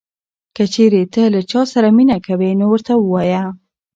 که چېرې ته له چا سره مینه کوې نو ورته ووایه.